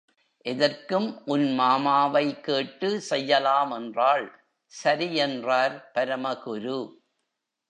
எதற்கும் உன் மாமாவை கேட்டு செய்யலாம் என்றாள், சரி, என்றார் பரமகுரு.